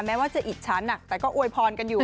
แม้ว่าจะอิจฉาหนักแต่ก็อวยพรกันอยู่